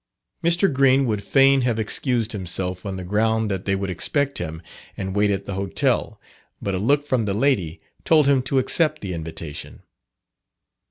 Mr. Green would fain have excused himself, on the ground that they would expect him and wait at the hotel, but a look from the lady told him to accept the invitation.